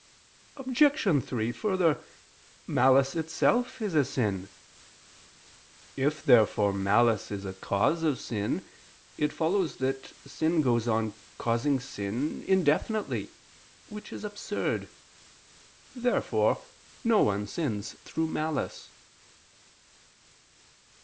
Obj. 3: Further, malice itself is a sin. If therefore malice is a cause of sin, it follows that sin goes on causing sin indefinitely, which is absurd. Therefore no one sins through malice.